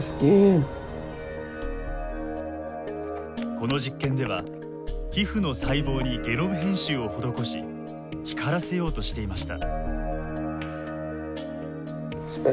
この実験では皮膚の細胞にゲノム編集を施し光らせようとしていました。